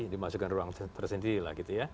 dimasukkan ruang tersendiri lah gitu ya